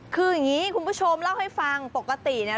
คืออย่างนี้คุณผู้ชมเล่าให้ฟังปกติเนี่ย